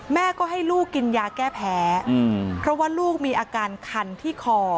แม่ก็ให้ลูกกินยาแก้แพ้เพราะว่าลูกมีอาการคันที่คอ